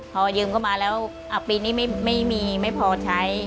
พอยืมเข้ามาแล้วปีนี้ไม่มีไม่พอใช้